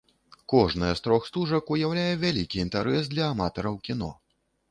Кожная з трох стужак уяўляе вялікі інтарэс для аматараў кіно.